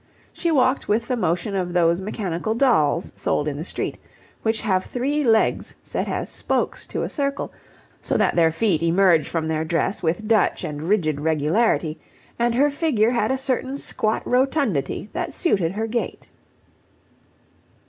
She walked with the motion of those mechanical dolls sold in the street, which have three legs set as spokes to a circle, so that their feet emerge from their dress with Dutch and rigid regularity, and her figure had a certain squat rotundity that suited her gait.